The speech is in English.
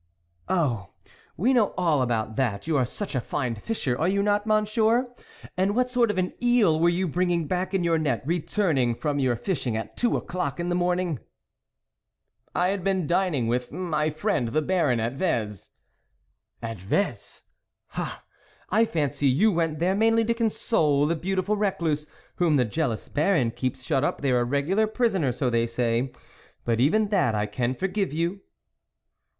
" Oh ! we know all about that ; you are such a fine fisher, are you not, Monsieur? And what sort of an eel were you bring ing back in your net, returning from your fishing at two o'clock in the morning !"" I had been dining with my friend, the Baron, at Vez." " At Vez ? ha ! I fancy you went there mainly to console the beautiful recluse, whom the jealous Baron keeps shut up there a regular prisoner, so they say. But even that I can forgive you."